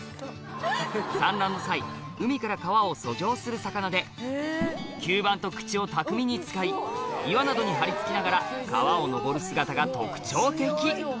する魚で吸盤と口を巧みに使い岩などに張り付きながら川を上る姿が特徴的